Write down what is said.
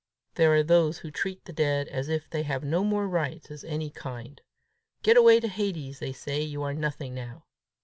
There are those who treat the dead as if they had no more rights of any kind. 'Get away to Hades,' they say; 'you are nothing now.'